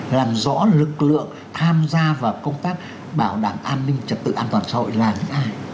làm rõ lực lượng tham gia vào công tác bảo đảm an ninh trật tự an toàn xã hội là những ai